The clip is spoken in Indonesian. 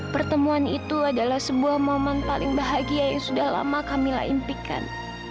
pertemuan itu adalah sebuah momen paling bahagia yang sudah lama kamilah impikan